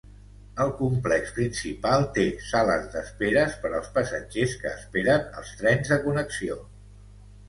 El complex principal té sales d'esperes per als passatgers que esperen els trens de connexió.